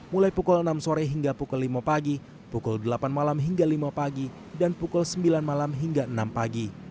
mulai pukul enam sore hingga pukul lima pagi pukul delapan malam hingga lima pagi dan pukul sembilan malam hingga enam pagi